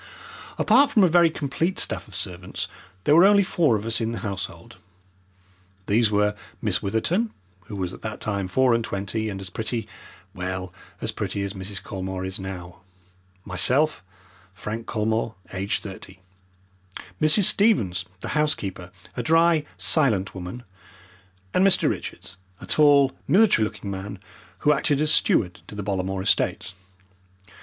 Apart from a very complete staff of servants there were only four of us in the household. These were Miss Witherton, who was at that time four and twenty and as pretty well, as pretty as Mrs. Colmore is now myself, Frank Colmore, aged thirty, Mrs. Stevens, the housekeeper, a dry, silent woman, and Mr. Richards, a tall military looking man, who acted as steward to the Bollamore estates.